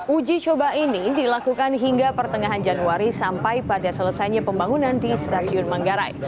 uji coba ini dilakukan hingga pertengahan januari sampai pada selesainya pembangunan di stasiun manggarai